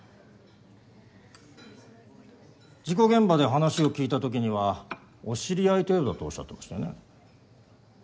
事故現場で話を聞いたときにはお知り合い程度だとおっしゃってましたよね？